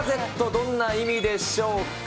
どんな意味でしょうか。